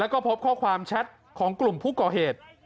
ก็พบข้อความแชทของกลุ่มผู้ก่อเหตุ